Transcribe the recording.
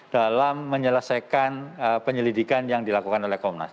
dalam menyelesaikan penyelidikan yang dilakukan oleh komnas